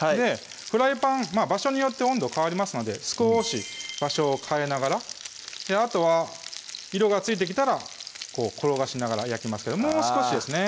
フライパン場所によって温度変わりますので少し場所を変えながらあとは色がついてきたら転がしながら焼きますけどもう少しですね